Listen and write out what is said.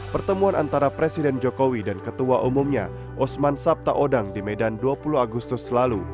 pertemuan antara presiden jokowi dan ketua umumnya osman sabtaodang di medan dua puluh agustus lalu